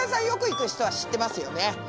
よく行く人は知ってますよね。